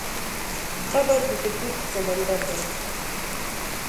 قبر د سکوت سمندر دی.